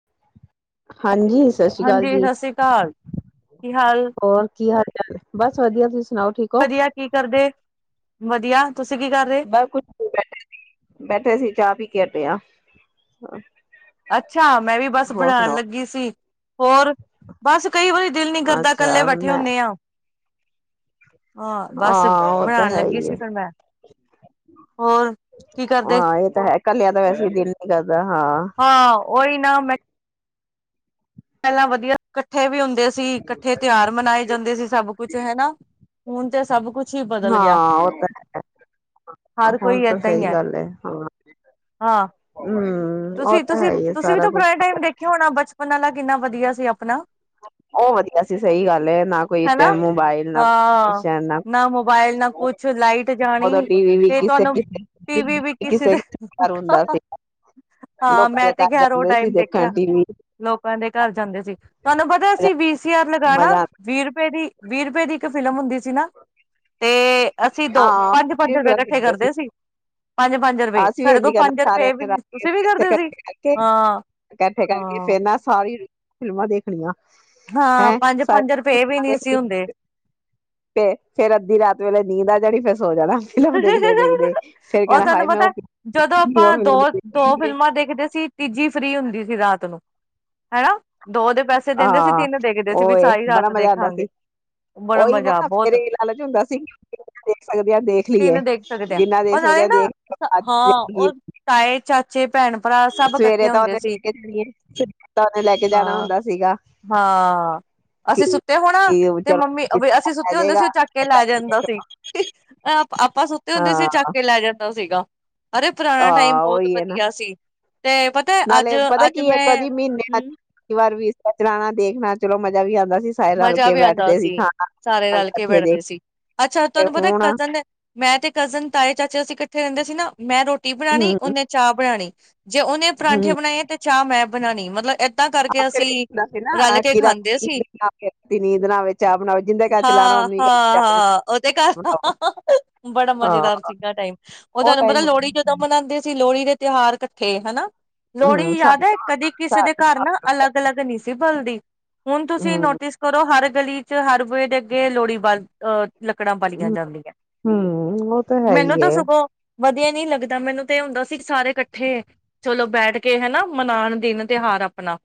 [inaudible] ਹਾਂਜੀ ਸਤਿ ਸ੍ਰੀ ਅਕਾਲ ਹਾਂਜੀ ਜੀ ਸਤਿ ਸ੍ਰੀ ਅਕਾਲ ਕੀ ਹਾਲ ਹੋਰ ਕੀ ਹਾਲ ਬਸ ਵਧੀਆ ਤੁਸੀਂ ਸੁਣਾਓ ਠੀਕ ਹੋ ਵਧੀਆ ਕੀ ਕਰਦੇ ਵਧੀਆ ਤੁਸੀਂ ਕੀ ਕਰ ਰਹੇ ਬਸ ਕੁਛ ਬੈਠੇ ਬੈਠੇ ਸੀ ਚਾਹ ਪੀ ਕੇ ਹਟਿਆ ਹਾਂ ਅੱਛਾ ਮੈਂ ਵੀ ਬਸ ਬਣਾਉਣ ਲੱਗੀ ਸੀ ਹੋਰ ਬਸ ਕਈ ਵਾਰੀ ਦਿਲ ਨੀ ਕਰਦਾ ਇਕੱਲੇ ਅੱਛਾ ਬੈਠੇ ਮੈਂ ਹੁੰਦੇ ਆ ਹਾਂ ਬਸ ਹਾਂ ਉਹ ਤਾਂ ਬਣਾਉਣ ਹੈ ਲੱਗੀ ਹੀ ਸੀ ਹੈ ਕਣ ਮੈਂ ਹੋਰ ਕੀ ਕਰਦੇ ਹੈ ਕੱਲਿਆ ਤਾਂ ਵੈਸੇ ਦਿਲ ਨੀ ਕਰਦਾ ਹਾਂ ਹਾਂ ਹੀ ਨਾ ਮੈਂ ਪਹਿਲਾਂ ਵਧੀਆ ਇਕੱਠੇ ਵੀ ਹੁੰਦੇ ਸੀ ਇਕੱਠੇ ਤਿਉਹਾਰ ਮਨਾਏ ਜਾਂਦੇ ਸੀ ਸਭ ਕੁਛ ਹਨਾ ਹੁਣ ਤੇ ਸਭ ਕੁਛ ਹੀ ਬਦਲ ਗਿਆ ਹਾਂ ਉਹ ਤਾਂ ਹਰ ਹੈ ਹੁਣ ਕੋਈ ਤਾਂ ਏਦਾਂ ਹੀ ਸਹੀ ਗੱਲ ਹੈ ਹਾਂ ਹਾਂ ਹਮ ਉਹ ਤੁਸੀਂ ਤਾਂ ਤੁਸੀਂ ਹੈ ਹੀ ਹੈ ਤੁਸੀਂ ਵੀ ਸਾਰਾ ਤਾਂ ਕੁਛ ਪੁਰਾਣੇ ਟਾਈਮ ਦੇਖੇ ਹੋਣਾ ਬਚਪਨ ਉਹਨਾਂ ਨਾਲ ਕਿੰਨਾ ਵਧੀਆ ਸੀ ਆਪਣਾ ਉਹ ਵਧੀਆ ਸੀ ਸਹੀ ਗੱਲ ਹੈ ਨਾ ਕੋਈ ਹਨਾ ਮੋਬਲ ਨਾ ਹੁੰ ਹਾਂ ਸੀ ਨਾ ਮੋਬਾਇਲ ਨਾ ਕੁਛ ਲਾਈਟ ਜਾਣੀ ਤੇ ਤੁਹਾਨੂੰ ਟੀਵੀ ਵੀ ਕਿਸੇ ਦੇ ਹਾਂ ਲੋਕਾਂ ਮੈਂ ਦੇ ਤੇ ਘਰ ਗੈਰੋ ਜਾਂਦੇ ਸੀ ਟਾਈਮ ਦੇਖਿਆ ਦੇਖਣ ਟੀ ਵੀ ਲੋਕਾਂ ਦੇ ਘਰ ਜਾਂਦੇ ਸੀ ਤੁਹਾਨੂੰ ਪਤਾ ਅਸੀਂ ਵੀਹਸ ਹਜ਼ਾਰ ਲਗਾਉਣਾ ਮਜ਼ਾ ਆਂਦਾ ਵੀਹ ਰੁਪਏ ਦੀ ਵੀਹ ਰੁਪਏ ਦੀ ਇੱਕ ਫਿਲਮ ਹੁੰਦੀ ਸੀ ਨਾ ਤੇ ਅਸੀਂ ਦੋ ਹਾਂ ਪੰਜ ਅਸੀਂ ਪੰਜ ਵੀ ਰੁਪਏ ਬੜਾ ਇਕੱਠੇ ਖੇਡਦੇ ਕਰਦੇ ਸੀ ਪੰਜ ਪੰਜ ਰੁਪਏ ਅਸੀਂ ਵੀ ਸਾਡੇ ਇੰਝ ਹੀ ਕੋਲ ਕਰਨਾ ਪੰਜ ਸਾਰਿਆਂ ਰੁਪਏ ਵੀ ਨੇ ਰਲ ਤੁਸੀਂ ਵੀ ਇਕੱਠੇ ਕਰਦੇ ਸੀ ਕਰਕੇ ਹਾਂ ਇਕੱਠੇ ਕਰਕੇ ਹਾਂ ਫੇਰ ਨਾ ਸਾਰੀ ਫਿਲਮਾਂ ਦੇਖਣੀਆਂ ਹਾਂ ਹੈਂ ਪੰਜ ਪੰਜ ਰੁਪਏ ਵੀ ਨਹੀਂ ਸੀ ਹੁੰਦੇ ਫੇਿਰ ਅੱਧੀ ਰਾਤ ਵੇਲੇ ਨੀਂਦਦਾ ਜਿਹੜੀ ਫ ਹੋ ਜਾਣਾ ਫਿਲਮ ਦੇਖਦੇ ਦੇਖਦੇ ਫੇਰ ਉਹ ਕਹਿਣਾ ਤੁਹਾਨੂੰ ਹਾਏ ਮੈਂ ਉਹ ਪਤਾ ਜਦੋਂ ਦੇਖੀ ਆਪਾਂ ਉਹ ਦੋ ਫਿਲਮ ਦੇਖੀ ਦੋ ਨੀ। ਫਿਲਮਾਂ ਦੇਖਦੇ ਸੀ ਤੀਜੀ ਫ੍ਰੀ ਹੁੰਦੀ ਸੀ ਰਾਤ ਨੂੰ ਹੈ ਹਾਂ ਸਾਰੀ ਬੜਾ ਰਾਤ ਮਜ਼ਾ ਆਉਂਦਾ ਦੇਖਾਂਗੇ ਸੀ ਬੜਾ ਉਹੀ ਨਾ ਮਜ਼ਾ ਫਿਰ ਬਹੁਤ ਇਹ ਲਾਲਚ ਹੁੰਦਾ ਸੀ ਦੇਖ ਸਕਦੇ ਹ ਦੇਖ ਲਈਏ ਤਨ ਦੇਖ ਸਕਦੇ ਆ ਜਿੰਨਾ ਦੇਖ ਉਹ ਸਕਦੇ ਨਾਲੇ ਆ ਨਾ ਦੇਖ ਹਾਂ ਲਈਏ। ਉਹ ਤਾਏ ਚਾਚੇ ਭੈਣ ਭਰਾ ਸਭ ਸਵੇਰੇ ਇਕੱਠੇ ਤਾਂ ਹੁੰਦੇ ਉਹਨੇ ਸੀ ਲੈ ਕੇ ਜਾਣੀ ਹੈ ਤਾਂ ਉਹਨੇ ਲੈ ਕੇ ਜਾਣਾ ਹਾਂ ਹੁੰਦਾ ਸੀਗਾ ਹਾਂ ਅਸੀਂ ਸੁੱਤੇ ਹੋਣਾ ਕਿ ਤੇ ਚਲੋ ਮੰਮੀ ਅਸੀਂ ਆ ਸੁੱਤੇ ਹੁੰਦੇ ਜਾਏਗਾ ਸੀ ਉਹ ਚਾ ਕੇ ਲੈ ਜਾਂਦਾ ਸੀ। ਆਪਾਂ ਸੁੱਤੇ ਹਾਂ ਹੁੰਦੇ ਸੀ ਚੱਕ ਕੇ ਲੈ ਜਾਂਦਾ। ਸੀਗਾ ਅਰੇ ਪੁਰਾਣਾ ਟਾਈਮ ਹਾਂ ਬਹੁਤ ਉਹੀ ਹੈ ਨਾ ਵਧੀਆ ਸੀ ਤੇ ਪਤਾ ਅੱਜ ਨਾਲੇ ਪਤਾ ਅੱਜ ਮੈਂ ਹਮ ਚਲਾਉਣਾ ਦੇਖਣਾ ਚਲੋ ਮਜ਼ਾ ਵੀ ਆਉਂਦਾ ਸੀ। ਸਾਰੇ ਰਲ ਮਜ਼ਾ ਕੇ ਵੀ ਆਉਂਦਾ ਬੈਠਦੇ ਸੀ ਖਾਣਾ ਸਾਰੇ ਰਲ ਕੇ ਇਕੱਠੇ ਬੈਠਦੇ ਦੇਖ ਸੀ ਅੱਛਾ ਤੇ ਤੁਹਾਨੂੰ ਪਤਾ ਹੁਣ ਕਜ਼ਨ ਮੈਂ ਤੇ ਕਜ਼ਨ, ਤਾਏ, ਚਾਚੇ ਅਸੀ ਫੇ ਰਹਿੰਦੇ ਸੀ ਨਾ ਮੈਂ ਰੋਟੀ ਬਣਾਉਣੀ ਹਮ ਉਨੇ ਚਾਹ ਬਣਾਉਣੀ। ਹ ਜੇ ਉਹਨੇ ਪਰਾਂਠੇ ਹਮ ਬਣਾਏਏ ਤੇ ਚਾਹ ਮੈਂ ਬਣਾਉਣੀ ਮਤਲਬ ਇਦਾਂ ਕਰਕੇ ਆਖਰ ਅਸੀਂ ਇਹ ਹੁੰਦਾ ਸੀ ਰਲ ਨਾ ਕੇ ਕਿ ਖਾਂਦੇ ਰਾਤੀ ਸੀ। ਰਾਤੀ ਨੀਂਦ ਨਾ ਆਵੇ ਚਾਹ ਬਣਾਓ ਜਿੰਦੇ ਘਰ ਚਲਾਣਾ ਹਾਂ ਉਹਨੀ ਹਾਂ ਚਾਹ ਹਾਂ ਉਹਦੇ ਘਰ ਬਣਾਓ ਦਾ ਬੜਾ ਹਾਂ ਮਜ਼ੇਦਾਰ ਸੀਗਾ ਟਾਈਮ ਉਹ ਤੁਹਾਨੂੰ ਪਤਾ ਲੋਹੜੀ ਜਦੋਂ ਮਨਾਉਂਦੇ ਸੀ। ਲੋਹੜੀ ਦੇ ਤਿਉਹਾਰ ਇਕੱਠੇ ਹਨਾ। ਹਮ ਲੋਹੜੀ ਯਾਦ ਸਾਡੇ ਹੈ ਕਦੀ ਕਿਸੇ ਦੇ ਘਰ ਨਾ ਅਲੱਗ- ਅਲੱਗ ਨਹੀਂ ਸੀ ਬਲਦੀ ਹੁਣ ਤੁਸੀਂ ਤੁਸੀਂ ਹਮ ਨੋਟਿਸ ਕਰੋ ਹਰ ਗਲੀ ਚ ਹਰ ਬੋਏ ਦੇ ਅੱਗੇ ਲੋਹੜੀ ਵ ਅ ਹਮ ਉਹ ਤਾਂ ਹੈ ਮੈਨੂੰ ਹੀ ਤਾਂ ਹੈ। ਸਗੋਂ ਵਧੀਆ ਨੀ ਲੱਗਦਾ ਮੈਨੂੰ ਤੇ ਇਹ ਹੁੰਦਾ ਸੀ ਸਾਰੇ ਇਕੱਠੇ ਚਲੋ ਬੈਠ ਕੇ ਹਨਾ ਮਨਾਉਣ ਦਿਨ ਤਿਉਹਾਰ ਆਪਣਾ।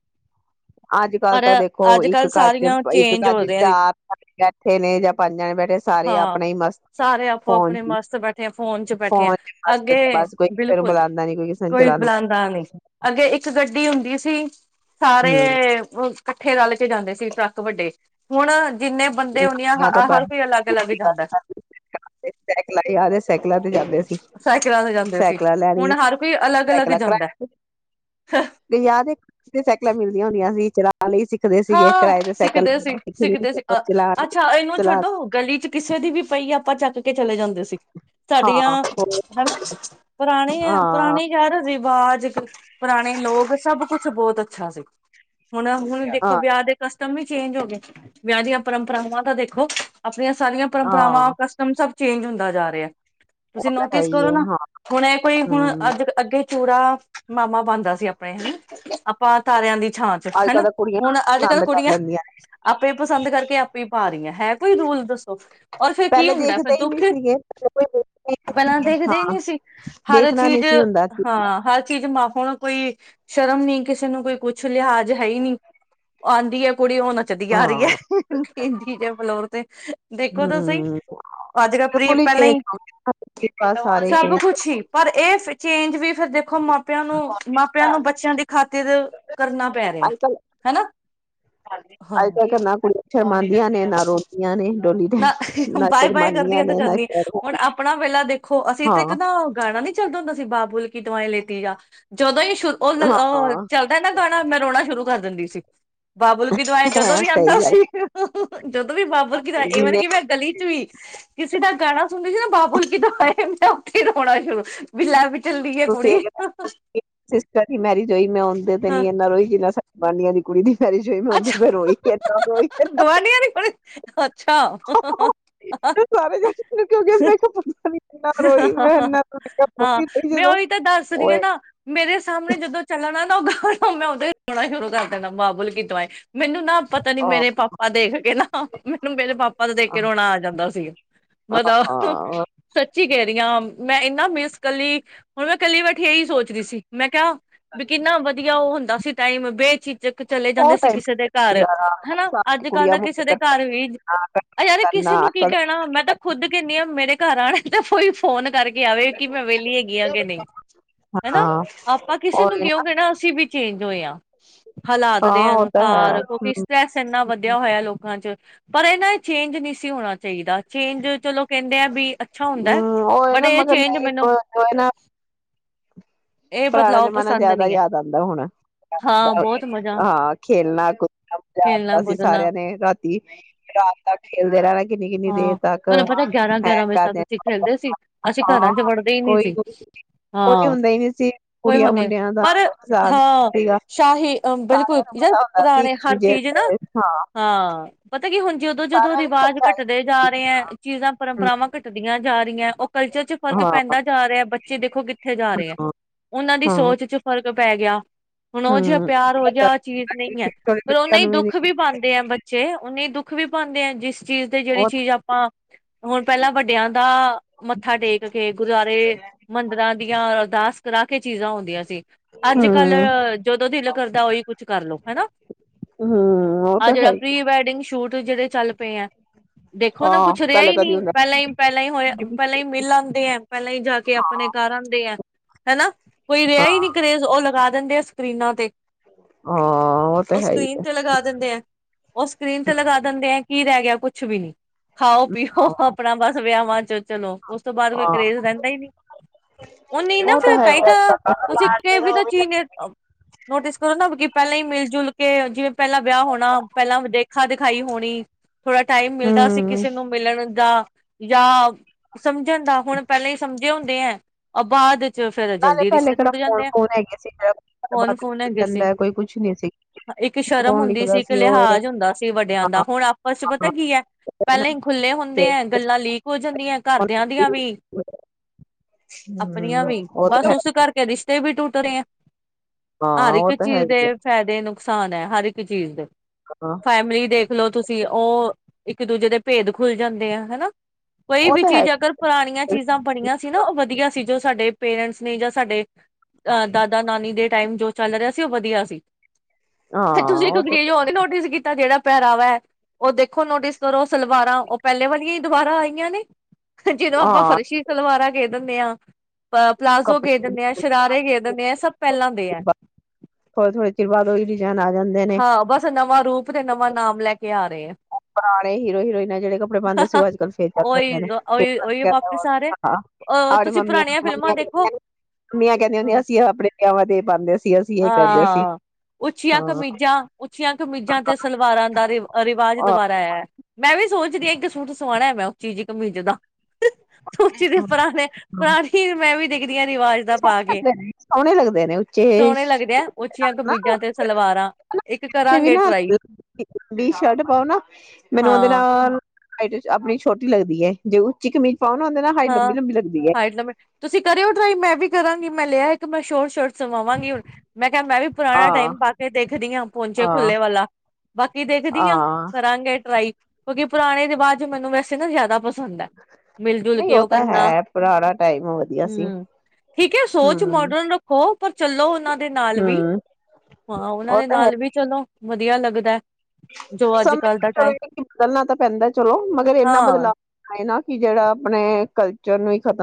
ਅੱਜ ਕੱਲ ਪਰ ਤਾਂ ਦੇਖੋ ਅੱਜ ਇੱਕ ਕੱਲ੍ਹ ਘਰ ਚ ਸਾਰੀਆਂ ਇੱਕ ਚੇਂਜ ਘਰ ਹੋ ਚ ਰਹੀਆਂ ਚਾਰ ਬੈਠੇ ਨੇ ਜਾਂ ਪੰਜਣੇ ਬੈਠੇ ਸਾਰੇ ਹਾਂ ਆਪਣਾ ਹੀ ਮਸਤ ਸਾਰੇ ਆਪੋ ਫੋਨ ਆਪਣੇ ਚ ਮਸਤ ਬੈਠੇ ਆ ਫੋਨ ਚ ਬੈਠੇ ਆ ਫੋਨ ਚ ਮਸਤ ਅੱਗੇ ਬਸ ਕੋਈ ਕਿਸੇ ਨੂੰ ਬਿਲਕੁਲ ਬੁਲਾਉਂਦਾ ਨੀ ਕੋਈ ਕਿਸੇ ਨੂੰ ਚਲਾਉਦਾ ਨੀ ਠੀ ਸਾਰੇ ਇਕੱਠੇ ਰ ਜਾਂਦੇ ਸੀ ਟਰੱਕ ਵੱਡੇ ਹੁਣ ਜਿੰਨੇ ਬੰਦੇ ਹੁੰਦੀਆਂ ਹਰ ਕੋਈ ਅਲੱਗ ਅਲੱਗ ਜਾਂਦਾ ਕਲਾਂ ਆ ਸਾਈਕਲਾਂ ਤੇ ਜਾਂਦੇ ਸੀ ਸਾਈਕਲਾਂ ਤੇ ਜਾਂਦੇ ਸੀ ਸਾਈਕਲਾਂ ਹੁਣ ਲੈਣੀ ਹਰ ਕੋਈ ਅਲੱਗ ਅਲੱਗ ਸਕਲਾਂ ਜਾਂਦਾ ਤੇ ਆਦੇ ਸਾਈਕਲਾਂ ਮਿਲਦੀਆਂ ਹੁੰਦੀਆਂ ਸੀ [unintelligible] ਲਈ ਸਿੱਖਦੇ ਸੀਗੇ ਹਾਂ ਕਿਰਾਏ ਦੇ ਸਾਈਕਲ ਸਿੱਖਦੇ ਸੀ ਸਿੱਖ ਸਿੱਖਦੇ ਸੀ ਅ ਅੱਛਾ ਇਹਨੂੰ ਛੱਡੋ ਗਲੀ ਚ ਕਿਸੇ ਦੀ ਵੀ ਪਈ ਆਪਾਂ ਚੱਕ ਕੇ ਚਲੇ ਜਾਂਦੇ ਸੀ। ਸਾਡੀਆਂ ਹਾਂ ਹੋਰ ਹਨਾ ਪੁਰਾਣੇ ਹੈ ਹਾਂ ਪੁਰਾਣੇ ਕਹਿ ਰਹੇ ਸੀ ਆਵਾਜ਼ ਪੁਰਾਣੇ ਲੋਕ ਸਭ ਕੁੱਛ ਬਹੁਤ ਅੱਛਾ ਸਿੱਖ ਹੁਣ ਹੁਣ ਦੇ ਦੇਖੋ ਹਾਂ ਵਿਆਹ ਦੇ ਕਸਟਮ ਵੀ ਚੇਂਜ ਹੋ ਗਏ ਵਿਆਹ ਦੀਆਂ ਪਰੰਪਰਾਵਾਂ ਦਾ ਦੇਖੋ ਆਪਣੀਆਂ ਸਾਰੀਆਂ ਪਰੰਪਰਾਵਾਂ ਹਾਂ ਕਸਟਮ ਸਭ ਚੇਂਜ ਹੁੰਦਾ ਜਾ ਰਿਹਾ ਤੁਸੀਂ ਉਹ ਤਾਂ ਹੈ ਨੋਟਿਸ ਹੀ ਕਰੋ ਹੈ ਨਾ ਹਾਂ ਹੁਣ ਇਹ ਕੋਈ ਹੁਣ ਹੂੰ, ਅੱਜ ਅੱਗੇ ਚੂੜ ਮਾਮਾ ਬਣਦਾ ਸੀ ਆਪਣੇ ਹਨਾ ਆਪਾਂ ਤਾਰਿਆਂ ਦੀ ਪਿੱਛਾਂ ਚ ਅੱਜ-ਕੱਲ ਹਨਾ ਤਾਂ ਕੁੜੀਆਂ ਹੁਣ ਅੱਜ ਕੱਲ ਪਸੰਦ ਕਰ ਕੁੜੀਆਂ ਲੈਂਦੀਆਂ ਨੇ, ਆਪੇ ਪਸੰਦ ਕਰਕੇ ਆਪੇ ਪਾ ਰਹੀਆਂ ਹੈ ਕੋਈ ਰੂਲ ਦੱਸੋ ਔਰ ਫੇਰ ਕੀ ਪਹਿਲੇ ਹੁੰਦਾ ਫਰ ਦੇਖਦੇ ਹੀ ਨਹੀਂ ਦੁੱਖ ਸੀਗੇ, ਪਹਿਲੇ ਕੋਈ ਦੇਖਦੇ ਹੀ ਨਹੀਂ ਪਹਿਲਾਂ ਸੀਗੇ, ਦੇਖਦੇ ਹੀ ਹਾਂ ਨਹੀਂੀ ਸੀ ਹਰ ਦੇਖਣਾ ਨਹੀਂ ਚੀਜ਼ ਸੀ ਹੁੰਦਾ ਕਿ ਹਾਂ ਹਰ ਚੀਜ਼ ਮ ਹੁਣ ਕੋਈ ਸ਼ਰਮ ਨੀ ਕਿਸੇ ਨੂੰ ਕੋਈ ਕੁਛ ਲਿਹਾਜ ਹੈ ਹੀ ਨਹੀਂੀ ਆਉਂਦੀ ਹੈ ਕੁੜੀ ਉਹ ਨੱਚਦੀ ਆ ਰਹੀ ਹਾਂ, ਹੈਹਿੰਦੀ ਜ ਮਤਲਬ ਅਤੇ ਦੇਖੋ ਤੁਸੀਂ ਹੂੰ, ਅੱਜ ਕੱਲ ਪ੍ਰੀ ਬਿਲਕੁਲ ਪਹਿਲਾਂ ਚੇਂਜ ਹੀ ਹੋ ਗਏ ਬਸ ਸਾਰੇ ਸਭ ਚੇਂਜ ਕੁਛ ਸੀ ਪਰ ਇਹ ਚੇਂਜ ਵੀ ਫਿਰਦੇ ਦੇਖੋ ਮਾਪਿਆਂ ਨੂੰ ਮਾਪਿਆਂ ਨੂੰ ਬੱਚਿਆਂ ਦੀ ਖਾਤ ਕਰਨਾ ਪੈ ਰਿਹਾ ਹਨਾ ਹਾਂ ਆਈ ਕ ਕਰਨਾ ਕੁੜ ਛਮਾਂਦੀਆਂ ਨੇ ਨਾ ਰੋਟੀਆਂ ਨੇ ਡੋਲੀ ਟੈਮ ਨਾ ਨਾ ਬਾਏ ਬਾਏ ਕਰਦੀ ਹ ਸ਼ਰਮਾਦੀਆਂ ਤੇ ਨੇ, ਨਾ ਕਰਨੀ ਹ ਹੁਣ ਆਪਣਾ ਵੇਲਾ ਦੇਖੋ ਅਸੀਂ ਤਾਂ ਇੱਕ ਹਾਂ, ਨਾ ਗਾਣਾ ਨੀ ਚੱਲਦਾ ਹੁੰਦਾ ਸੀ ਬਾਬੂਲਕੀ ਦਵਾਈ ਲੈ ਆ ਜਦੋਂ ਹੀ ਉਹ ਹਾਂ, ਚੱਲਦਾ ਨਾ ਗਾਣਾ ਮੈਂ ਰੋਣਾ ਸ਼ੁਰੂ ਕਰ ਦਿੰਦੀ ਸੀ ਬਾਬੁਲ ਕੀ ਦਵਾਇ ਜਦੋਂ ਹੈ ਵੀ ਸਹੀ ਆਉਂਦਾ ਗੱਲ ਸੀ ਜਦੋਂ ਵੀ ਬਾਬੁਲ ਕੀ ਦਏ ਇਹ ਮਤਲਬ ਜਿੰਨੇ ਕਿ ਮੈਂ ਗਲੀ ਚ ਵੀ ਕਿਸੇ ਦਾ ਗਾਣਾ ਸੁਣਦੀ ਸੀ ਨਾ ਬਾਬੂਲ ਕਿੀ ਦਾਏ ਕਣ ਅ ਪਲਾ ਪ ਤੁਸੀਂ ਇਹ ਸਿਸਟਰ ਦੀ ਮੈਰਿਜ ਹੋਈ ਮੈਂ ਆਉਂਦੇ ਤੇ ਹਾਂ, ਨੀ ਇਨਾ ਰੋਹੀ ਜਿੰਨਾ ਬਾਨੀਆਂ ਦੀ ਕੁੜੀ ਦੀ ਸਰੀ ਜੋਈ ਮੈਂ ਅੱਛਾ ਉਦਰ ਤਾਂ ਰੋਈ ਇਨਾ ਰੋਈ ਗਵਾਂਢੀਆਂ ਦੀ ਕੁੜੀ ਅੱਛਾ ਸਾਰੇ ਜਾ ਮਨ ਕਿਕ ਮ ਕਿਹਾਨਾ ਰੋਈ ਮੈਂ ਹਾਂ ਇ ਮੈਂ ਉਹੀ ਤਾਂ ਦੱਸਦੀ ਹਾਂ ਨਾ ਮੇਰੇ ਸਾਹਮਣੇ ਜਦੋਂ ਚੱਲਣਾ [unintelligible] [unintelligible] ਮੈਨੂੰ ਨਾ ਪਤਾ ਨੀ ਆ ਮੇਰੇ ਪਾਪਾ ਦੇਖ ਕੇ ਨਾ ਮੈਨੂੰ ਮੇਰੇ ਪਾਪਾ ਦਾ ਦੇਖ ਕੇ ਰੋਣਾ ਆ ਜਾਂਦਾ ਸੀ ਮਤਾ ਹਾਂ ਗ ਰਹੀ ਹਾਂ ਮੈਂ ਇੰਨਾ ਮਿਸ ਕੱਲੀ ਹੁਣ ਮੈਂ ਕੱਲੀ ਵ ਥੇ ਇਹੀ ਸੋਚਦੀ ਸੀ ਮੈਂ ਕਿਹਾ ਵੀ ਕਿੰਨਾ ਵਧੀਆ ਉਹ ਹੁੰਦਾ ਸੀ ਟਾਈਮੇ ਜ ਚਲੇ ਜਾਂਦੇ ਉਹ ਟਾਈਮ ਕਿਸੇ ਦੇ ਘਰ ਹਨਾ ਸਾਰੇ ਅੱਜ ਕੱਲ ਕੁੜੀਆਂ ਦਾ ਮੁੰਡੇ ਕਿਸੇ ਦੇ ਇਕੱਠੇ ਘਰ ਵੀ ਯਾਰ ਕਰਨਾ ਕਿਸੇ ਨੂੰ ਕੀ ਕਹਿਣਾ ਮੈਂ ਤਾਂ ਖੁੱਦ ਕਹਿੰਨੀ ਹਾਂ ਮੇਰੇ ਘਰ ਆਣੇ ਤੇ ਕੋਈ ਫੋਨ ਕਰਕੇ ਆਵੇ ਕਿ ਮੈਂ ਵਿਹਲੀ ਹੈਗੀ ਹਾਂ ਕਿ ਨਹੀਂ ਹਨਾ ਹਾਂ ਆਪਾਂ ਕਿਸੇ ਨੂੰ ਉਹੀ ਨਾ ਕਿਉਂ ਕਹਿਣਾ ਅਸੀਂ ਵੀ ਚੇਂਜ [unintelligible] ਹਾਲਾਤ ਹਾਂ ਦੇਿਆਂ ਉਹ ਨੂੰ ਤਾਂ ਹੈ ਹਾਰ ਕਿਉਂਕਿ ਹਮ ਇਸ ਤ ਇਨਾ ਵਧੀਿਆ ਹੋਇਆ ਲੋਕਾਂ ਚ ਪਰ ਇਹਨਾ ਚੇਂਜ ਨਹੀਂ ਸੀ ਹੋਣਾ ਚਾਹੀਦਾ ਚੇਂਜ ਚਲੋ ਕਹਿੰਦੇ ਆ ਵੀ ਅੱਛਾ ਹੁੰਦਾ ਉਹ ਬਟ ਨਾ ਇਹ ਮਗਰ ਚੇਂਜ ਨਹੀਂ ਮੈਨੂੰ ਜੋ ਨਾ ਇਹ ਪੁਰਾਣਾ ਬਦਲਾਓ ਜਮਾਨਾ ਪਸੰਦ ਜਿਆਦਾ ਨਹੀਂ ਹੈ ਯਾਦ ਆਉਂਦਾ ਹੁਣ ਹਾਂ ਬਹੁਤ ਮਜ਼ਾ ਹਾਂ ਖੇਲਣਾ ਕੁਦ ਮਾ ਆਉਂਦਾ ਖੇਲਣਾ ਸੀ ਕੁਦਣਾ ਸਾਰਿਆਂ ਨੇ ਰਾਤੀ ਰਾਤ ਤੱਕ ਖੇਲਦੇ ਰਹਿਣਾ ਕਿੰਨੀ ਕਿੰਨੀ ਦੇਰ ਹਾਂ ਤੱਕ ਤੁਹਾਨੂੰ ਪਤਾ ਗਿਆਰਾਂ ਹੈ ਗਿਆਰਾਂ ਵਜੇ ਤੱਕ ਕਰ ਅਸੀਂ ਖੇਲਦੇ ਸੀ ਅਸੀਂ ਹਾਂ ਘਰਾਂ ਚ ਵੜਦੇ ਹੀ ਨਹੀਂ ਕੋਈ ਕੋਈ ਹੁੰਦਾ ਹੀ ਨੀ ਸੀ ਹੋਏ ਕੁੜੀਆਂ ਹੁੰਦੇ ਨੇ ਮੁੰਡਿਆਂ ਦਾ ਪਰ ਕੋਈ ਮਜ਼ਾਕ ਹਾਂ ਸੀਗਾ ਸ਼ਾਹੀ ਅ ਬਿਲਕੁਲ ਸਾਰਿਆਂ ਨੂੰ ਪਤਾ ਹੁੰਦਾ ਸੀ ਪੁਰਾਣੇ ਇੱਕ ਹਰ ਦੂਜੇ ਚੀਜ਼ ਨਾ ਦੇ ਹਾਂ ਹਾਂ [unintelligible] ਜਦੋਂ ਜਦੋਂ ਸਾਰਿਆਂ ਵਿੱਚ ਰਿਵਾਜ ਸੱਚਾਈ ਘੱਟਦੇ ਜਾ ਰਹੇ ਹੈ ਚੀਜ਼ਾਂ ਸੀ। ਹੂੰ, ਪਰੰਪਰਾਵਾਂ ਘਟਦੀਆਂ ਜਾ ਰਹੀਆਂ ਉਹ ਕਲਚਰ ਚ ਫ਼ਰਕ ਪੈਂਦਾ ਹਾਂ ਜਾ ਰਿਹਾ ਹੈ ਬੱਚੇ ਦੇਖੋ ਕਿੱਥੇ ਜਾ ਰਹੇ ਹੈ ਉਹਨਾਂ ਦੀ ਹਾਂ ਸੋਚ ਚ ਫ਼ਰਕ ਪੈ ਗਿਆ ਹੁਣ ਉਹ ਜਿਹਾ ਹੂੰ ਪਿਆਰ ਹੋ ਜਾ ਚੀਜ਼ ਨਹੀਂ ਹੈ ਛੋਟੇ ਪਰ ਉਹਨਾ ਬੱਚਿਆਂ ਹੀ ਨੂੰ ਨੀ ਦੁੱਖ ਵੀ ਪਾਉਂਦੇ ਹੈ ਬੱਚੇ ਉਹੇ ਦੁੱਖ ਵੀ ਪਾਉਂਦੇ ਆ ਜਿਸ ਚੀਜ਼ ਤੇ ਜਿਹੜੀ ਉਹ ਚੀਜ਼ ਆਪਾਂ ਹੁਣ ਪਹਿਲਾਂ ਵੱਡਿਆਂ ਦਾ ਮੱਥਾ ਟੇਕ ਕੇ ਗੁਰਦੁਆਰੇ ਮੰਦਿਰਾਂ ਦੀਆਂ ਅਰਦਾਸ ਕਰਾ ਕੇ ਚੀਜ਼ਾਂ ਆਉਂਦੀਆਂ ਸੀ ਅੱਜ ਕੱਲ ਹੂੰ ਜਦੋਂ ਦਿਲ ਕਰਦਾ ਹੋਈ ਕਰ ਲੋ ਹਨਾ ਹੂੰ ਉਹ ਆਹ ਤਾਂ ਹੈ ਜਿਹੜਾ ਹੀ ਪ੍ਰੀ ਵੈਡਿੰਗ ਸ਼ੂਟ ਜਿਹੜੇ ਚੱਲ ਪਏ ਆਂ ਦੇਖੋ ਨਾ ਹਾਂ ਕੁਛ ਰਿਹਾ ਪਹਿਲੇ ਹੀ ਕਦੀ ਨਹੀਂ ਹੁੰਦਾ ਪਹਿਲਾਂ ਹੀ ਪਹਿਲਾਂ ਹੀ ਹੋਇਆ ਪਹਿਲਾਂ ਹੀ ਮਿਲ ਆਉਂਦੇ ਹੈ ਪਹਿਲਾਂ ਹੀ ਜਾ ਕੇ ਆਪਣੇ ਘਰ ਆਉਂਦੇ ਹੈ ਹਨਾ ਕੋਈ ਰਿਹਾ ਹਾਂ ਹੀ ਨਹੀਂੀ ਕਰੇਜ਼ ਉਹ ਲਗਾ ਦਿੰਦੇ ਆ ਸਕਰੀਨਾਂ ਤੇ ਹ ਉਹ ਸਕਰੀਨ ਤੇ ਲਗਾ ਦਿੰਦੇ ਆ ਉਹ ਸਕਰੀਨ ਹੈ। ਤੇ ਲਗਾ ਦਿੰਦੇ ਆ ਕੀ ਰਹਿ ਗਿਆ ਕੁੱਛ ਵੀ ਨੀ ਖਾਓ ਪੀਓ ਹਾਂ ਆਪਣਾ ਬਸ ਵਿਆਵਾਂ ਚ ਚਲੋ ਉਸ ਤੋਂ ਬਾਅਦ ਕੋਈ ਹਾਂ ਕਰੇਜ ਰਹਿੰਦਾ ਹੀ ਨਹੀਂ ਉਹ ਨਹੀਂ ਨਾ ਤਾਂ ਫਿਰ ਹੈ ਹੀ ਤਾਂਈ ਤਾ ਹੈ। ਤੁਸੀਂ ਵੀ ਤਾਂ ਚੀਜ਼ ਨੋਟਿਸ ਕਰੋ ਨਾ ਲਈ ਮਿਲ ਜੁਲ ਕੇ ਜਿਵੇਂ ਪਹਿਲਾਂ ਵਿਆਹ ਹੋਣਾ ਪਹਿਲਾਂ ਦੇਖਾ ਦਿਖਾਈ ਹੋਣੀ ਥੋੜਾ ਟਾਈਮ ਮਿਲਦਾ ਸੀ ਹੂੰ ਕਿਸੇ ਨੂੰ ਮਿਲਣ ਦਾ ਜਾਂ ਸਮਝਣ ਦਾ ਹੁਣ ਪਹਿਲੇਾਂ ਹੀ ਸਮਝੇ ਹੁੰਦੇ ਹੈ ਆਬਾਦ ਨਾਲੇ ਪਲੇ ਕਿਹੜਾ ਫੋਨ ਫੋਨ ਹੈਗੇ ਕੌਣ ਸੀੱਲਬਾਤ ਫੋਨ ਕਰ ਹੈਗੇ ਸੀ ਜਾਂਦਾ ਕੋਈ ਕੁਛ ਨੀ ਸੀ ਇੱਕ ਸ਼ਰਮ ਕੌਣ ਹੁੰਦੀ ਸੀ ਲਿਖਦਾ ਇੱਕ ਉਹ ਇਹ ਲਿਹਾਜ਼ ਹੁੰਦਾ ਸੀ ਵੱਡਿਆਂ ਦਾ ਹਾਂ ਹੁਣ ਆਪਸ ਚ ਪਤਾ ਕੀ ਹੈ ਫਿਰ ਪਹਿਲਾਂ ਹੀ ਖੁੱਲੇ ਤੇ ਹੁੰਦੇ ਹੈ ਗੱਲਾਂ ਲੀਕ ਹੋ ਜਨ ਘਰਦਿਆਂ ਦੀਆਂ ਵੀ ਆਪਣੀਆਂ ਹਮ ਵੀ ਉਹ ਬਸ ਤਾਂ ਹੈ ਉਸ ਕਰਕੇ ਰਿਸ਼ਤੇ ਵੀ ਟੁੱਟ ਰਹੇ ਆ ਹਰ ਇੱਕ ਹਾਂ ਤਾਂ ਹੈ ਚੀਜ਼ ਹੀ ਦੇ ਫਾਇਦੇ ਨੂੰ ਨੁਕਸਾਨ ਹੈ ਹਰ ਇੱਕ ਚੀਜ਼ ਦਾ ਆ, ਹਾਂ ਫੈਮਲੀ ਦੇਖਲੋ ਤੁਸੀਂ ਉਹ ਇੱਕ ਦੂਜੇ ਦੇ ਭੇਦ ਖੁੱਲ ਜਾਂਦੇ ਆ ਹਨਾ ਕੋਈ ਉਹ ਵੀ ਤਾਂ ਹੈ ਚੀਜ਼ ਅਗਰ ਪੁਰਾਣੀਆਂ ਹੀ ਚੀਜ਼ਾਂ ਬਣੀਆਂ ਸੀ ਨਾ ਉਹ ਵਧੀਆ ਸੀ ਜੋ ਸਾਡੇ ਪੇਰੈਂਟਸ ਨੇ ਜਾਂ ਸਾਡੇ ਅਹ ਦਾਦਾ ਨਾਨੀ ਦੇ ਟਾਈਮ ਜੋ ਚੱਲ ਰਿਹਾ ਦੱਸਿਓ ਵਧੀਆ ਸੀ ਹਾਂ ਤੁਸੀਂ ਇੱਕ ਉਹ ਤਾਂ ਚਿਜ਼ ਹੋਗੇ ਨੋਟਿਸ ਕੀਤੀ ਤਾਂ ਜਿਹੜਾ ਪਹਿਰਾਵਾ ਹੈ ਉਹ ਦੇਖੋ ਨੋਟਿਸ ਕਰੋ ਸਲਵਾਰਾਂ ਪਹਿਲੇ ਵਾਲੀਆਂ ਹੀ ਦੁਬਾਰਾ ਆਈਆਂ ਨੇ ਜਦੋਂ ਆਪਾਂ ਹਾਂ ਫਰਸ਼ੀ ਸਲਵਾਰਾਂ ਕ ਦਿੰਦੇ ਆਾਂ ਅ ਪਲਾਜ਼ੋ ਗੇ ਕੱਪੜੇ ਦਿੰਦੇ ਹਾਂ ਸ਼ਰਾਰੇੇ ਦਿੰਦੇ ਆਂ ਸਭ ਪਹਿਲਾਂ ਦੇ ਆ ਪਰਸੋ ਐਕਟਿਵਾ ਗਯੀ ਦੀ ਸੀ ਹਾਂ ਬਸ ਨਵਾਂ ਰੂਪ ਤੇ ਨਵਾਂ ਨਾਮ ਲੈ ਕੇ ਆ ਰਹੇ ਹੈ ਪੁਰਾਣੇ ਹੀਰੋ ਹੀਰੋਇਨਾ ਜਿਹੜੇ ਕੱਪੜੇ ਪਾਉਂਦੇ ਸੀ ਉਹ ਅੱਜ ਕੱਲ ਫੇਰ ਚ ਉਹੀ ਦਦੇ ਨੇ ਗ ਉਹੀ ਉਹੀ ਫ ਵਾਪਿਸ ਆ ਰਹੇ ਅ ਤੁਸੀਂ ਮੰੀਆਂ ਪੁਰਾਣੀਆਂ ਫਿਲਮਾਂ ਮੰਹਿੰ ਦੇਖੋ ਮੰੀਆਂ ਕਹਿੰਦੀ ਹੁੰਦੀਆਂ ਹਾਂ ਅਸੀਂ ਆਪਣੇ ਵਿਆਵਾਂ ਤੇ ਇਹ ਪਾਉਂਦੇ ਸੀ ਅਸੀਂ ਇਹ ਕਰਦੇ ਸੀ ਉੱਚੀਆਂ ਹਾਂ ਕਮੀਜ਼ਾਂ ਉੱਚੀਆਂ ਕਮੀਜ਼ਾਂ ਤੇ ਸਲਵਾਰਾਂ ਦਾ ਰਿ ਰਿਵਾਜ ਆਹ ਦੁਬਾਰਾ ਆਇਆ ਮੈਂ ਵੀ ਸੋਚ ਰਹੀ ਹੈ ਇੱਕ ਸੂਟ ਸਵਾਉਣਾ ਮੈਂ ਉਹ ਚੀਜ਼ ਕਮੀਜ਼ ਦਾ ਸੋਚੀ ਦੇ ਪੁਰਾਣੇ ਪੁਰਾਣੀ ਮੈਂ ਵੀ ਦੇਖਦੀ ਹਾਂ ਰਿਵਾਜ਼ ਦਾ ਪਾ ਕੇ ਸੋਹਣੇ ਲੱਗਦੇ ਨੇ ਉੱਚੇ ਸੋਹਣੇ ਲੱਗਦੇ ਆ ਉੱਚੀਆਂ ਕਮੀਜ਼ਾਂ ਨਾ ਤੇ ਸਲਵਾਰ ਵੀ ਨਾ ਸ਼ਰਟ ਪਾਓ ਨਾ ਮੈਨੂੰ ਉਹਦੇ ਹਾਂ ਨਾਲ ਹਾਈਟ ਆਪਣੀ ਛੋਟੀ ਲੱਗਦੀ ਹੈ ਜੇ ਉਹ ਚਿਕ ਮਿਰਚ [unintelligible] ਹੁੰਦੇ ਨਾ ਹਾਈ ਹਾਂ ਲੰਬੀ ਲੰਬੀ ਲੱਗਦੀ ਹੈ ਹਾਈਟ ਲੰਬੇ ਤੁਸੀਂ ਕਰਿਓ ਟਰਾਈ ਮੈਂ ਵੀ ਕਰਾਂਗੀ ਮੈਂ ਲਿਆ ਇੱਕ ਮੈਂ ਸ਼ੋਰਟ ਸ਼ੋਰਟ ਸੁਵਾਵਾਂਗੀ ਹੁਣ ਮੈਂ ਕਿਹਾ ਮੈਂ ਵੀ ਪੁਰਾਣਾ ਹਾਂ ਟਾਈਮ ਪਾ ਕੇ ਦੇਖਦੀ ਹਾਂ ਪਹੁੰਚੇ ਹਾਂ ਖੁੱਲੇ ਵਾਲਾ ਬਾਕੀ ਦੇਖਦੀ ਹਾਂ ਕਰਾਂਗੇ ਟਰਾਈ ਕਿਉਂਕਿ ਪੁਰਾਣੇ ਰਿਵਾਜ਼ ਚ ਮੈਨੂੰ ਵੈਸੇ ਨਾ ਜ਼ਿਆਦਾ ਪਸੰ ਹੁੰਦਾ ਮਿਲ ਜੁਲ ਨਹੀਂ ਕੇ ਉਹ ਤਾਂ ਕਰਨਾ ਹੈ ਪੁਰਾਣਾ ਟਾਈਮ ਵਧੀਆ ਸੀ ਹਮ ਠੀਕ ਹੈ ਸੋਚ ਹਮ ਮੋਡਰਨ ਰੱਖੋ ਪਰ ਚਲੋ ਉਹਨਾਂ ਦੇ ਨਾਲ ਵੀ ਹਮ ਹਾਂ ਉਹਨਾਂ ਦੇ ਨਾਲ ਵੀ ਚਲੋ ਵਧੀਆ ਲੱਗਦਾ ਜੋ ਅੱਜ ਸਮਂ ਕੱਲ ਦਾ ਚਲੋ ਟਾਈਮ ਇਹ ਕਿ ਬਦਲਣਾ ਤਾਂ ਪੈਂਦਾ ਚਲੋ ਮਗਰ ਇੰਨਾ ਹਾਂ ਬਦਲਾਵ ਆਏ ਨਾਲ ਕਿ ਜਿਹੜਾ ਆਪਣੇ ਕਲ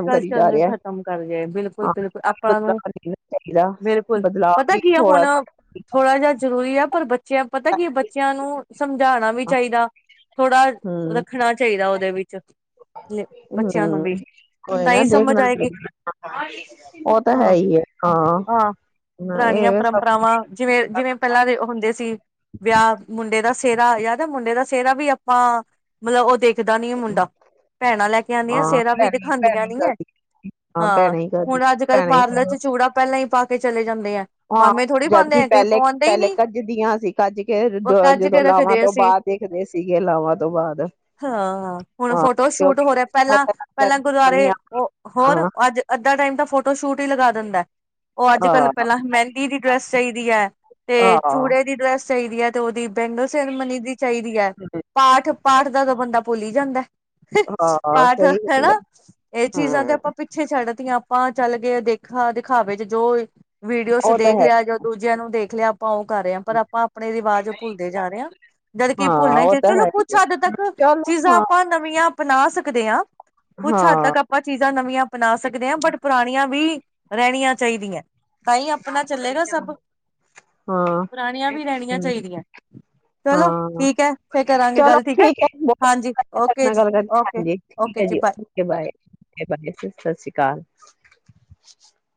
ਕਲਚਰ ਨੂੰ ਖ਼ਤਮ ਕਰ ਲਏ ਬਿਲਕੁਲ ਹਾਂ ਬਿਲਕੁਲ ਆਪਾਂ ਨੂੰ ਬਦਲਾਵ ਨਹੀਂ ਚਾਹੀਦਾ ਬਿਲਕੁਲ ਬਦਲਾਵ ਪਤਾ ਵੀ ਕੀ ਹੈ ਥੋੜਾ ਹੁਣ ਥੋੜਾ ਥੋੜ੍ਹਾ ਜਿਹਾ ਜ਼ਰੂਰੀ ਆ ਪਰ ਬ ਬੱਚਿਆਂ ਪਤਾ ਕੀ ਬੱਚਿਆਂ ਨੂੰ ਸਮਝਾਉਣਾ ਵੀ ਚਾਹੀਦਾ ਥੋੜ੍ਹਾ ਹਮ ਰੱਖਣਾ ਚਾਹੀਦਾ ਉਹਦੇ ਵਿੱਚ ਬੱਚਿਆਂ ਨੂੰ ਵੀ ਹਮ ਕੋਈ ਨਾ ਸਮਝ ਦੇਖਣਾ ਆਏਗੀ ਉਹ ਤਾਂ ਹੈ ਹਾਂ ਹੀ ਹੈ ਹਾਂ ਪੁਰਾਣੀਆਂ ਇਹ ਸਭ ਪਰੰਪਰਾਵਾਂ ਜਿਵੇਂ ਜਿਵੇਂ ਪਹਿਲਾਂ ਦੇ ਹੁੰਦੇ ਸੀ ਵਿਆਹ ਮੁੰਡੇ ਦਾ ਸਿਹਰਾ ਯਾਰ ਮੁੰਡੇ ਦਾ ਸਿਹਰਾ ਵੀ ਆਪਾਂ ਮਤਲਬ ਉਹ ਦੇਖ ਸਖਦਾ ਨੀ ਮੁੰਡਾ ਭੈਣਾਂ ਲੈ ਕੇ ਆਉਂਦੀਆਂ ਹਾਂ ਸਿਹਰਾ ਵੀ ਭੈਣੇ ਦਿਖਾਉਦੀ ਭੈਣੇ ਹੀ ਨੀ ਹੈ ਕਰਦੀ ਹਾਂ ਭੈਣੇ ਹੀ ਕਰਦੀ ਹੁਣ ਅੱਜ ਕੱਲ ਭੈਣੇ ਹੀ ਪਾਰਲਰ ਕਰ ਚ ਚੂੜਾ ਪਹਿਲਾਂ ਹੀ ਪਾ ਚਲੇ ਜਾਂਦੇ ਆ ਹਾਂ ਮਾਮੇ ਥੋੜ੍ਹੀ ਪਾਉਂਦੇ ਜਦਕਿ ਆ ਕਈ ਪਹਿਲੇ ਪਵਾਉਂਦੇ ਹੀ ਨੀ ਪਹਿਲੇ ਕੱਜਦੀਆਂ ਸੀ ਕੱਜ ਕੇ ਕੱਜ ਜਦੋਂ ਕੇ ਲਾਵਾਂ ਰੱਖਦੇ ਤੋਂ ਅਸੀਂ ਬਾਅਦ ਦੇਖਦੇ ਸੀਗੇ ਲਾਵਾਂ ਤੋਂ ਬਾਅਦ ਹੁਣ ਹਾਂ ਫੋਟੋ ਕਿਣ ਸ਼ੂਟ ਹੋ ਰਿਹਾ ਪਹਿਲਾਂ ਪਹਿਲਾਂ ਗੁਰਦੁਆਰੇ ਉਹ ਹੋਰ ਅੱਜ ਅੱਧਾ ਟਾਈਮ ਤਾਂ ਫੋਟੋ ਸ਼ੂਟ ਹੀ ਲਗਾ ਦਾ ਉਹ ਅੱਜ ਕੱਲ ਹਾਂ ਪਹਿਲਾਂ ਮਹਿੰਦੀ ਦੀ ਡਰੈਸ ਚਾਹੀਦੀ ਹੈ ਤੇ ਹਾਂ ਚੂੜੇ ਦੀ ਡਰੈਸ ਚਾਹੀਦੀ ਹੈ ਤੇ ਉਹਦੀ ਬੈਂਗਲ ਸੈਰਮਨੀ ਦੀ ਚਾਹੀਦੀ ਹੈ ਪਾਠ ਪਾਠ ਦਾ ਤਾਂ ਬੰਦਾ ਭੁੱਲ ਹੀ ਜਾਂਦਾ ਹਾਂ ਪਾਠ ਸਹੀ ਰੱਖਿਆ ਹੈ ਗੱਲ ਨਾ ਇਹ ਚੀਜ਼ਾਂ ਤੇ ਹਮ ਆਪਾਂ ਪਿੱਛੇ ਛੱਡਤੀਆਂ ਆਪਾਂ ਆ ਚੱਲ ਗਏ ਦੇ, ਖਾ ਦਿਖਾਵੇ ਚ ਜੋ ਵੀਡੀਓਸ ਉਹ ਤਾਂ ਦੇਖ ਹੈ ਲਿਆ, ਜਾਂ ਦੂਜਿਆਂ ਨੂੰ ਦੇਖ ਲਿਆ ਆਪਾਂ ਉਹ ਕਰ ਰਹੇ ਹਾਂ ਪਰ ਹੀ। ਆਪਾਂ ਆਪਣੇ ਰਿਵਾਜ਼ ਭੁੱਲਦੇ ਜਾ ਰਹੇ ਹਾਂ ਜਦਕਿ ਹਾਂ ਭੁੱਲਣਾ ਹੀ ਉਹ ਤਾਂ ਚਾਹੀਦਾ ਚਲੋ ਹੈ ਹੀ ਕੁੱਛ ਹੈ। ਹੱਦ ਤੱਕ ਚਲੋ ਚੀਜ਼ਾਂ ਹਾਂ ਆਪਾਂ ਨਵੀਆਂ ਅਪਣਾ ਸਕ ਸਕਦੇ ਹ [unintelligible] ਹਾਂ ਆਪਾਂ ਚੀਜ਼ਾਂ ਨਵੀਆਂ ਅਪਣਾ ਸਕਦੇ ਹਾਂ ਬਟ ਪੁਰਾਣੀਆਂ ਵੀ ਰਹਿਣੀਆਂ ਚਾਹੀਦੀਆਂ। ਬਹੀਂ ਆਪਣਾ ਚੱਲੇਗਾ ਸਭ ਹਾਂ ਪੁਰਾਣੀਆਂ ਵੀ ਰਹਿਣੀਆਂ ਹਮ ਚਾਹੀਦੀਆਂ ਚਲੋ ਹਾਂ ਠੀਕ ਹੈ। ਫਿਰ ਕਰਾਂਗੇ ਚਲੋ ਗੱਲ ਠੀਕ ਹੈ। ਹਾਂਜੀ ਬਹੁਤ ਓਕੇ ਨਾਲ ਜੀ, ਗੱਲ ਕਰਕੇ ਓਕੇ, ਹਾਂਜੀ ਠੀਕ ਓਕੇ ਹੈ ਜੀ ਬਾਏ ਓਕੇ ਬਾਏ। ਓਕੇ ਸਤਿ ਸ੍ਰੀ ਅਕਾਲ